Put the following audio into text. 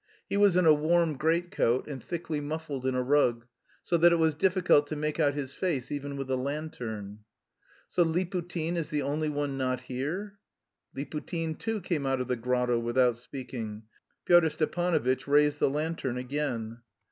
He was in a warm greatcoat and thickly muffled in a rug, so that it was difficult to make out his face even with a lantern. "So Liputin is the only one not here?" Liputin too came out of the grotto without speaking. Pyotr Stepanovitch raised the lantern again.